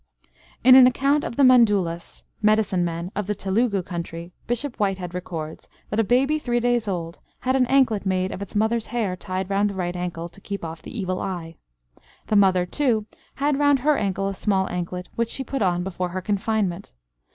In an account of the Mandulas (medicine men) of the Telugu country, Bishop Whitehead records that a baby three days old had an anklet made of its mother's hair tied round the right ankle, to keep off the evil eye. The mother, too, had round her ankle a similar anklet, which she put on before her confinement.